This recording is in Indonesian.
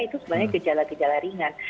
itu sebenarnya gejala gejala ringan